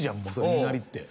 いなりって。